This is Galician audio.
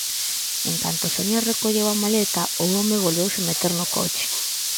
En canto Sonia recolleu a maleta, o home volveuse meter no coche.